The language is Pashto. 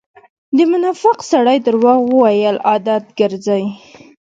د منافق سړی درواغ وويل عادت ګرځئ.